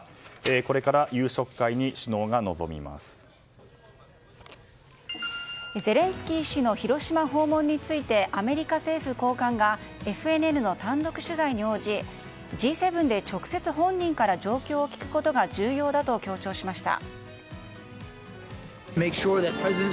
これから夕食会に首脳がゼレンスキー氏の広島訪問についてアメリカ政府高官がＦＮＮの単独取材に応じＧ７で直接本人から状況を聞くことが重要だと強調しました。